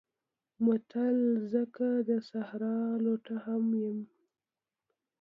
متل: زه که د صحرا لوټه هم یم